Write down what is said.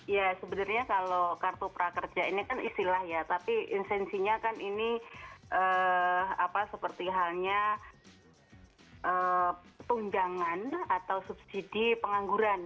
ya sebenarnya kalau kartu prakerja ini kan istilah ya tapi insensinya kan ini seperti halnya tunjangan atau subsidi pengangguran